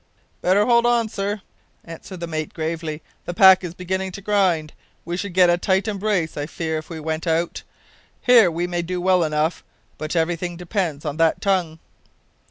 "Better hold on, sir," answered the mate gravely. "The pack is beginning to grind; we should get a tight embrace, I fear, if we went out. Here we may do well enough; but everything depends on that tongue."